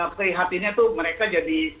prihatinnya tuh mereka jadi